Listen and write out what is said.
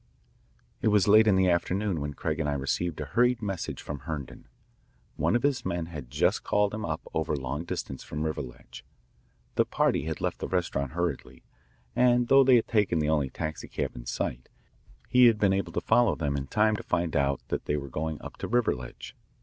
It was late in the afternoon when Craig and I received a hurried message from Herndon. One of his men had just called him up over long distance from Riverledge. The party had left the restaurant hurriedly, and though they had taken the only taxicab in sight he had been able to follow them in time to find out that they were going up to Riverledge.